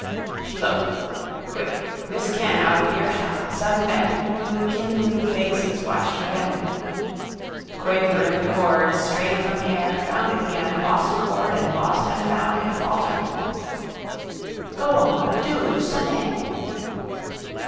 She looked. Quick. Miss Kenn out of earshot. Sudden bent. Two kindling faces watched her bend. Quavering the chords strayed from the air, found it again, lost chord, and lost and found it, faltering. —Go on! Do! _Sonnez!